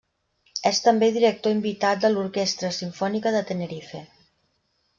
És també director invitat de l'Orquestra Simfònica de Tenerife.